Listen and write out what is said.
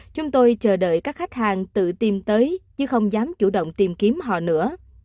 chúng tôi chờ đợi các khách hàng tự tìm tới chứ không dám chủ động tìm kiếm họ nữa